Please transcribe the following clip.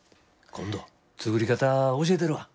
今度作り方教えたるわ。